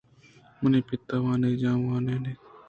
منی پِت وانگجاہ ءٙ وانین اِیت